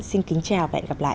xin kính chào và hẹn gặp lại